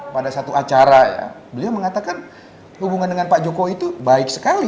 pada satu acara ya beliau mengatakan hubungan dengan pak jokowi itu baik sekali